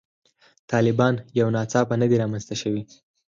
طالبان یو ناڅاپه نه دي رامنځته شوي.